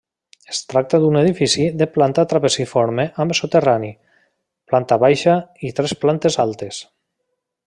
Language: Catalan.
Es tracta d'un edifici de planta trapeziforme amb soterrani, planta baixa i tres plantes altes.